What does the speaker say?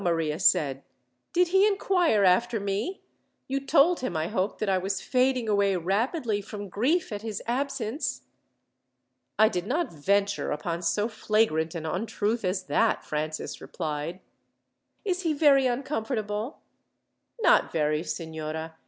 Maria said. "Did he inquire after me? You told him, I hope, that I was fading away rapidly from grief at his absence." "I did not venture upon so flagrant an untruth as that," Francis replied. "Is he very uncomfortable?" "Not very, signora.